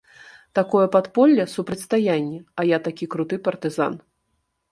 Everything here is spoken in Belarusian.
Такое падполле, супрацьстаянне, а я такі круты партызан.